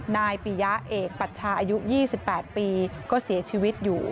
นายปิยะเอกปัชชาอายุ๒๘ปีก็เสียชีวิตอยู่